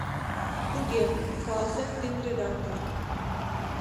«Туге, — каласен тӱҥ редактор.